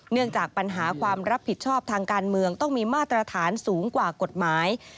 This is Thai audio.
เนื่องจากปัญหาความรับผิดชอบทางการเมืองต้องมีมาตรฐานสูงกว่ากฎหมาย